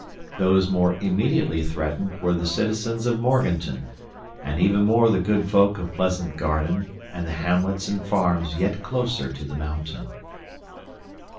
Those more immediately threatened were the citizens of Morganton, and even more the good folk of Pleasant Garden and the hamlets and farms yet closer to the mountain.